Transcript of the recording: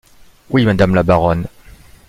Oui, madame la baronne.